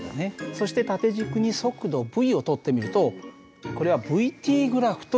そして縦軸に速度υをとってみるとこれはυ−ｔグラフというんだよ。